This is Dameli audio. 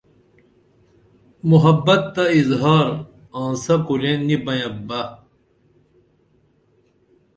محبت تہ اظہار آنسہ کورین نی بینپ بہ